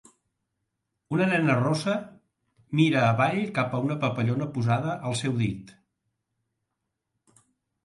Una nena rossa mira avall cap a una papallona posada al seu dit.